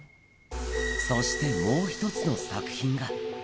そしてもう１つの作品が。